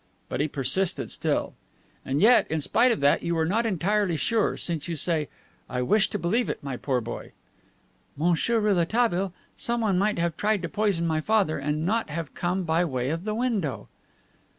But he persisted still. "And yet, in spite of that, you are not entirely sure, since you say, 'I wish to believe it, my poor boy.'" "Monsieur Rouletabille, someone might have tried to poison my father, and not have come by way of the window."